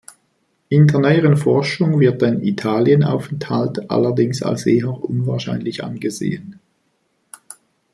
In der neueren Forschung wird ein Italienaufenthalt allerdings als eher unwahrscheinlich angesehen.